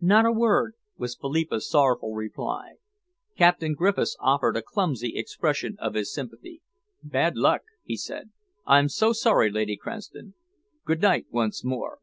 "Not a word," was Philippa's sorrowful reply. Captain Griffiths offered a clumsy expression of his sympathy. "Bad luck!" he said. "I'm so sorry, Lady Cranston. Good night once more."